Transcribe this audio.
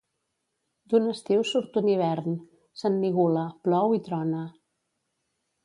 D'un estiu surt un hivern, s'ennigula, plou i trona.